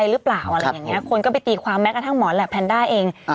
อย่างนี้คนก็ไปตีความแท้กับหมอนแหลบเพนดาเอง